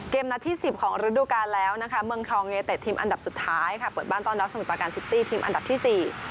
นัดที่สิบของฤดูการแล้วนะคะเมืองทองยูเนเต็ดทีมอันดับสุดท้ายค่ะเปิดบ้านต้อนรับสมุทรประการซิตี้ทีมอันดับที่สี่